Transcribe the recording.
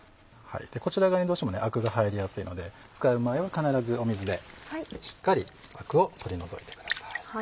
こちら側にどうしてもアクが入りやすいので使う前は必ず水でしっかりアクを取り除いてください。